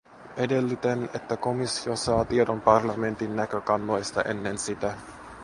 Edellytän, että komissio saa tiedon parlamentin näkökannoista ennen sitä.